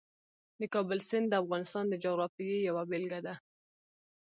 د کابل سیند د افغانستان د جغرافیې یوه بېلګه ده.